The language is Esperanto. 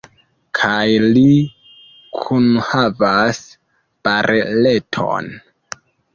Kaj li kunhavas bareleton.